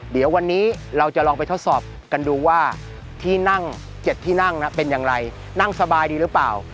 เดี๋ยววันนี้เราจะลองไปทดสอบกันดูว่าที่นั่ง๗ที่นั่งเป็นอย่างไรนั่งสบายดีหรือเปล่า